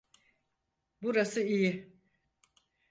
Burası iyi.